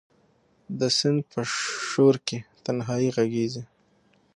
د سیند په شو رکې تنهایې ږغیږې